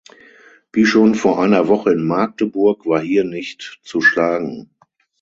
Wie schon vor einer Woche in Magdeburg war hier nicht zu schlagen.